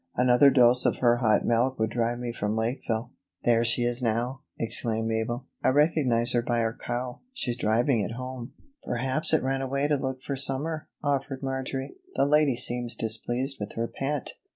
"Another dose of her hot milk would drive me from Lakeville." "There she is now!" exclaimed Mabel. "I recognize her by her cow; she's driving it home." "Perhaps it ran away to look for summer," offered Marjory. "The lady seems displeased with her pet."